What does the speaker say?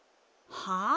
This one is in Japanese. はあ？